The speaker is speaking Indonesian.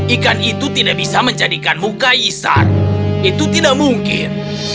ikan itu tidak bisa menjadikanmu kaisar itu tidak mungkin